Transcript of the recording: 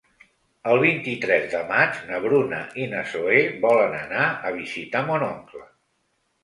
El vint-i-tres de maig na Bruna i na Zoè volen anar a visitar mon oncle.